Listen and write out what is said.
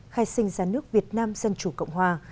khai sinh ra nước việt nam dân chủ cộng hòa